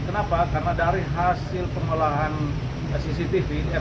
kenapa karena dari hasil pengolahan cctv